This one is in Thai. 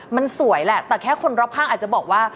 มันสวยแหละแต่แค่คนรอบข้างอาจจะบอกว่า